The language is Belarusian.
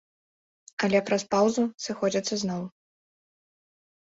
Але праз паўзу, сыходзяцца зноў.